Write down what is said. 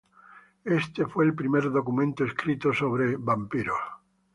Este fue el primer documento escrito sobre vampiros.